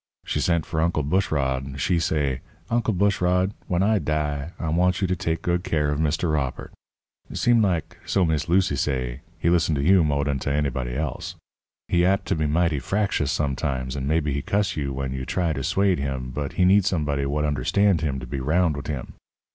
She sent for Uncle Bushrod, and she say: 'Uncle Bushrod, when I die, I want you to take good care of Mr. Robert. Seem like' so Miss Lucy say 'he listen to you mo' dan to anybody else. He apt to be mighty fractious sometimes, and maybe he cuss you when you try to 'suade him but he need somebody what understand him to be 'round wid him.